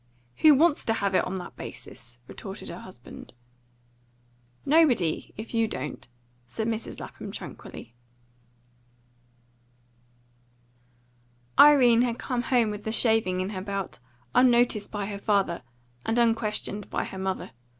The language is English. "Who wants to have it on that basis?" retorted her husband. "Nobody, if you don't," said Mrs. Lapham tranquilly. Irene had come home with the shaving in her belt, unnoticed by her father, and unquestioned by her mother.